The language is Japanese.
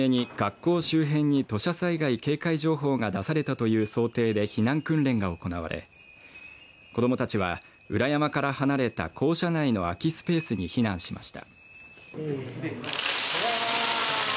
初めに学校周辺に土砂災害警戒情報が出されたという想定で避難訓練が行われ子どもたちは裏山から離れた校舎内の空きスペースに避難しました。